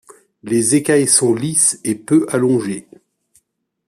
Les écailles sont lisses et peu allongées.